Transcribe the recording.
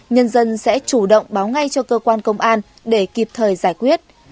nhân dân sẽ chủ động báo ngay cho cơ quan công an để kịp thời giải quyết